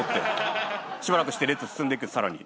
しばらくして列進んでくさらに。